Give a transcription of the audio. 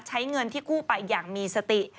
ใช้เงินที่กู้ไปอย่างมีสติ